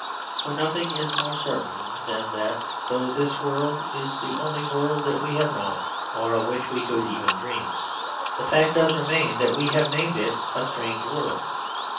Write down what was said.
For nothing is more certain than that though this world is the only world that we have known, or of which we could even dream, the fact does remain that we have named it "a strange world."